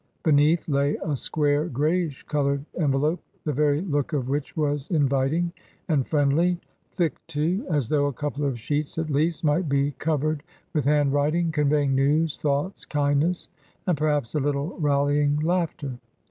Beneath lay a square greyish coloured envelope, the very look of which was inviting and friendly, thick, too, as though a couple of sheets at least might be covered with handwriting, conveying news, thoughts, kindness, and perhaps a little rallying laughter.